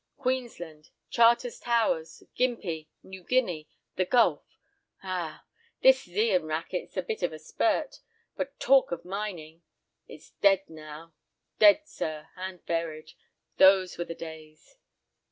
Queensland, Charters Towers, Gympie, New Guinea, the Gulf, ah! "This Zeehan racket's a bit of a spirt; but talk of mining! It's dead now, dead, sir, and buried. Those were the days!"